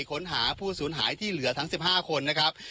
ค้นหาผู้สูญหายที่เหลือทั้ง๑๕คนนะครับ